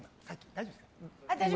大丈夫ですよ。